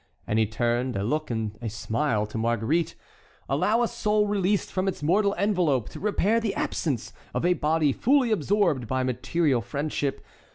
and he turned a look and a smile to Marguerite; "allow a soul released from its mortal envelope to repair the absence of a body fully absorbed by material friendship.